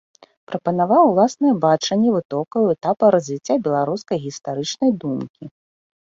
Прапанаваў уласнае бачанне вытокаў і этапаў развіцця беларускай гістарычнай думкі.